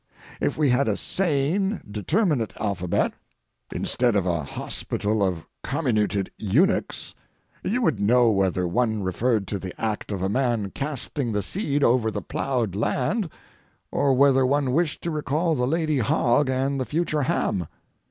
If we had a sane, determinate alphabet, instead of a hospital of comminuted eunuchs, you would know whether one referred to the act of a man casting the seed over the ploughed land or whether one wished to recall the lady hog and the future ham.